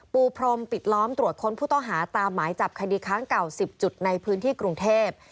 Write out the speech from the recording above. ปูพรมปิดล้อมตรวจค้นผู้ต้องหาตามหมายจับคดีค้างเก่า๑๐จุดในพื้นที่กรุงเทพ